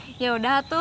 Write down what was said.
hmm yaudah tuh